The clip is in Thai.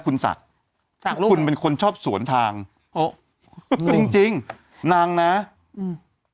คุณศักดิ์ศักดิ์คุณเป็นคนชอบสวนทางโอ้จริงจริงนางนะอืม